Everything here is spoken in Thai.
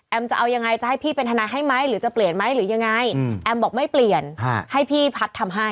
จะเอายังไงจะให้พี่เป็นทนายให้ไหมหรือจะเปลี่ยนไหมหรือยังไงแอมบอกไม่เปลี่ยนให้พี่พัฒน์ทำให้